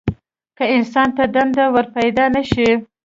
که انسان ته دنده ورپیدا نه شي.